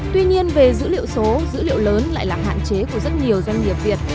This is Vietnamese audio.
tuy nhiên về dữ liệu số dữ liệu lớn lại là hạn chế của rất nhiều doanh nghiệp việt